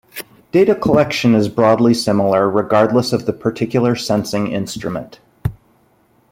Data collection is broadly similar regardless of the particular sensing instrument.